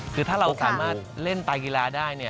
คือถ้าเราหันมาเล่นไตกีฬาได้